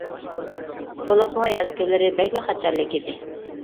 بولۇپمۇ ياز كۈنلىرى بەكلا خەتەرلىك ئىدى.